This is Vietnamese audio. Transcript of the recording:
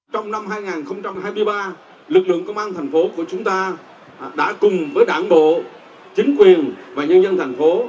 trong năm hai nghìn hai mươi ba lực lượng công an thành phố của chúng ta đã cùng với đảng bộ chính quyền và nhân dân thành phố